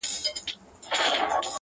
د بېګانه وو مزدوران دي په پیسو راغلي٫